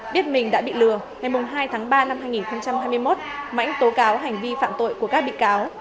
biết mình đã bị lừa ngày hai tháng ba năm hai nghìn hai mươi một mãnh tố cáo hành vi phạm tội của các bị cáo